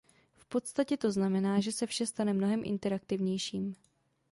V podstatě to znamená, že se vše stane mnohem interaktivnějším.